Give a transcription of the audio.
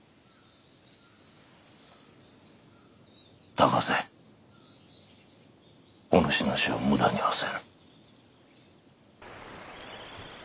高瀬お主の死を無駄にはせぬ。